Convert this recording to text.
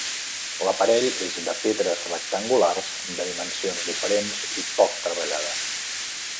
L'aparell és de pedres rectangulars de dimensions diferents i poc treballades.